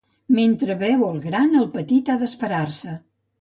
Mentre beu el gran, el petit ha d'esperar-se.